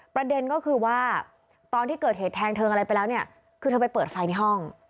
ประเด็นก็คือว่าตอนที่เกิดเหตุแทงเธออะไรไปแล้วเนี่ยคือเธอไปเปิดไฟในห้อง